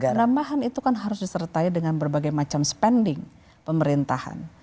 penambahan itu kan harus disertai dengan berbagai macam spending pemerintahan